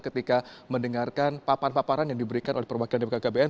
ketika mendengarkan papan paparan yang diberikan oleh perwakilan bkkbn